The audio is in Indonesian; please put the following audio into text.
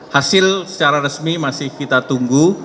hasil secara resmi masih kita tunggu